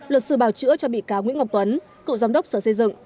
luật sư bào chữa cho bị cáo nguyễn ngọc tuấn cựu giám đốc sở xây dựng